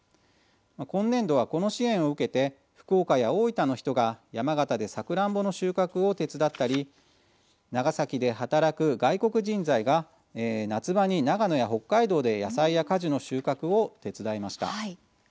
今年度は、この支援を受けて福岡や大分の人が、山形でさくらんぼの収穫を手伝ったり長崎で働く外国人材が夏場に長野や北海道で野菜や果樹の収穫を手伝いました。